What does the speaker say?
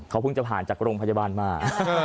เขาเพิ่งจะผ่านจากโรงพยาบาลมา